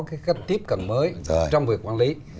cái cách tiếp cận mới trong việc quản lý